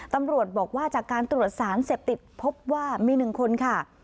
ตำรวจบอกว่าจากการตรวจสารเสพติดพบว่ามี๑คนค่ะ